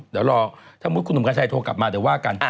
เดี๋ยวรอถ้ามุติคุณหนุ่มกัญชัยโทรกลับมาเดี๋ยวว่ากัน